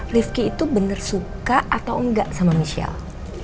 rifki itu bener suka atau engga sama michelle